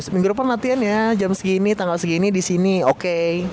minggu depan latihan ya jam segini tanggal segini di sini oke